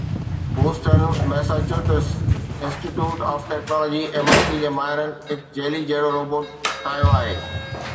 Boston Massachusetts institute of technology MIT جي ماهرن هڪ جيلي جهڙو روبوٽ ٺاهيو آهي